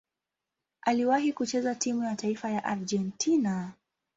Aliwahi kucheza timu ya taifa ya Argentina.